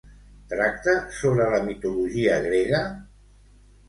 Tracta sobre la mitologia grega?